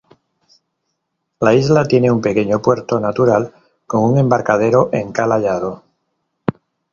La isla tiene un pequeño puerto natural con un embarcadero en Cala Lladó.